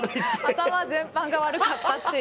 頭全般が悪かったっていう。